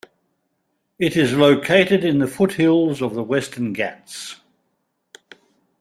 It is located in the foothills of the Western Ghats.